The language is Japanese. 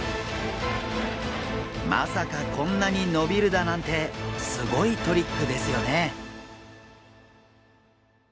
まさかこんなに伸びるだなんてすごいトリックですよね。